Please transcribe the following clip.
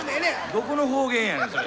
どこの方言やねんそれ。